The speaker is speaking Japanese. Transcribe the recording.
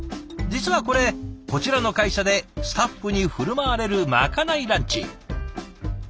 実はこれこちらの会社でスタッフに振る舞われるまかないランチ。